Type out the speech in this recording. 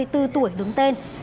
ba mươi bốn tuổi đứng tên